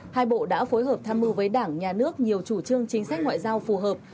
hai bộ đã phối hợp tham mưu với đảng nhà nước nhiều chủ trương chính sách ngoại giao phù hợp